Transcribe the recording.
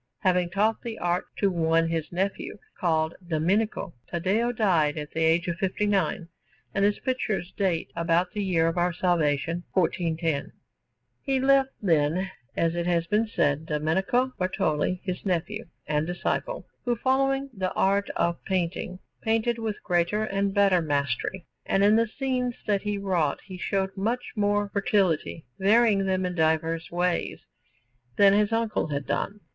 Having taught the art to one his nephew, called Domenico, Taddeo died at the age of fifty nine; and his pictures date about the year of our salvation 1410. He left, then, as it has been said, Domenico Bartoli, his nephew and disciple, who, following the art of painting, painted with greater and better mastery, and in the scenes that he wrought he showed much more fertility, varying them in diverse ways, than his uncle had done.